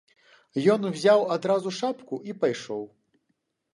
Ён узяў адразу шапку і пайшоў.